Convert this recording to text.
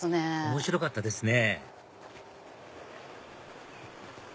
面白かったですね